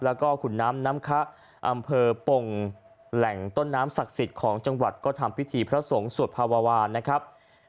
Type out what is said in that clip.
แล้วก็ขุนน้ำน้ำคะอำเภอปงแหล่งต้นน้ำศักดิ์สิทธิ์ของจังหวัดก็ทำพิธีพระสงฆ์สวดภาววานนะครับ